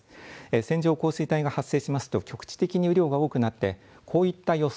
線状降水帯が発生しますと局地的に雨量が多くなってこういった予想